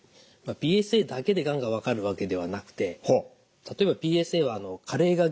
ＰＳＡだけでがんが分かるわけではなくて例えばＰＳＡは加齢が原因でですね